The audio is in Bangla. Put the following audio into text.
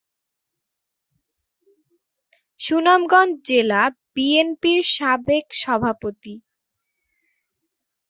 সুনামগঞ্জ জেলা বিএনপির সাবেক সভাপতি।